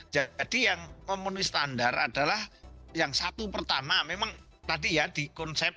jadi yang memenuhi standar adalah yang satu pertama memang tadi ya di konsep